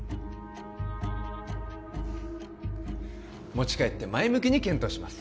持ち帰って前向きに検討します